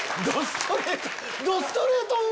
どストレート